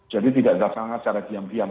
jadi tidak dilaksanakan secara diam diam